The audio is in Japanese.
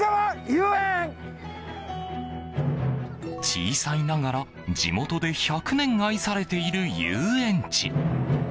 小さいながら、地元で１００年愛されている遊園地。